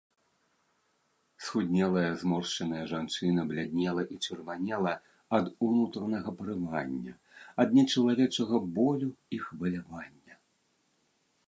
Схуднелая, зморшчаная жанчына бляднела і чырванела ад унутранага парывання, ад нечалавечага болю і хвалявання.